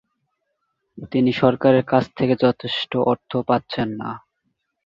তিনি সরকারের কাছ থেকে যথেষ্ট অর্থ পাচ্ছেন না।